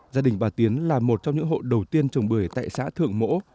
gia đình bà tiến là một trong những hộ đầu tiên trồng bưởi tại xã thượng mỗ